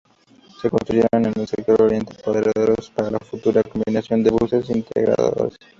Se construyeron en el sector oriente paraderos para la futura combinación con buses integradores.